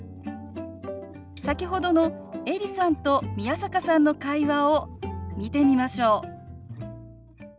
先ほどのエリさんと宮坂さんの会話を見てみましょう。